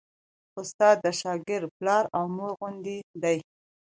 استاد د شاګرد پلار او مور غوندې دی.